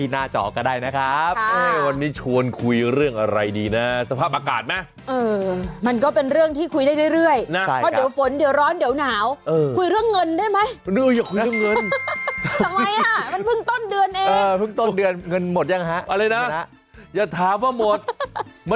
มาเจอกับผมชนะคุณชิสาและคุณจูน้องครับ